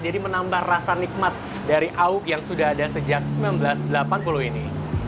jadi menambah rasa nikmat dari awuk yang sudah ada sejak seribu sembilan ratus delapan puluh ini